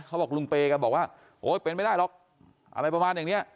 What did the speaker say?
เขาบอกลุงเปย์ก็บอกว่าโอ๊ยเป็นไม่ได้หรอกอะไรประมาณอย่างนี้